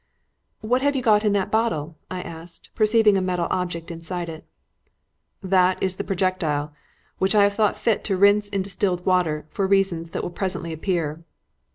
"What have you got in that bottle?" I asked, perceiving a metal object inside it. "That is the projectile, which I have thought fit to rinse in distilled water, for reasons that will presently appear."